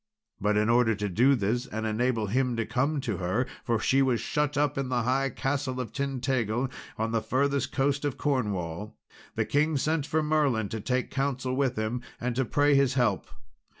But in order to do this, and enable him to come to her for she was shut up in the high castle of Tintagil, on the furthest coast of Cornwall the king sent for Merlin, to take counsel with him and to pray his help.